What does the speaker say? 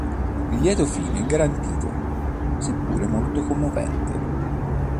Il lieto fine è garantito, seppure molto commovente.